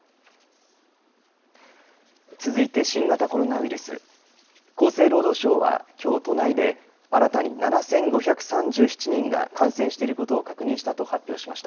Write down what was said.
続いて新型コロナウイルス、厚生労働省はきょう都内で新たに７５３７人が感染していることを確認したと発表しました。